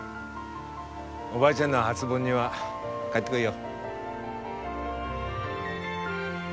おばあちゃんの初盆には帰ってこいよ。